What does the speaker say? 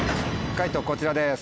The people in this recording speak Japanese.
解答こちらです。